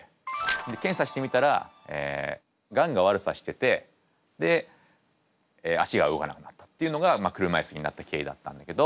検査してみたらがんが悪さしててで足が動かなくなったっていうのが車いすになった経緯だったんだけど。